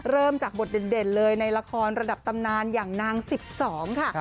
เริ่มจากบทเด่นเลยในละครระดับตำนานอย่างนาง๑๒ค่ะ